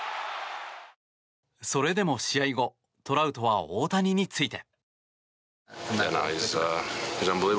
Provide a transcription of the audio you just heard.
それでも試合後、トラウトは大谷について。